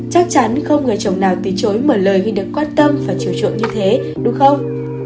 chắc chắn không người chồng nào từ chối mở lời khi được quan tâm và chiều trộn như thế đúng không